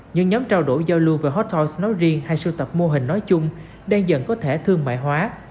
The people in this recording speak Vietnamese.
những nhóm trao đổi giao lưu về hot thoi nói riêng hay sưu tập mô hình nói chung đang dần có thể thương mại hóa